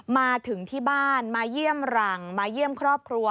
มาถึงที่บ้านมาเยี่ยมหลังมาเยี่ยมครอบครัว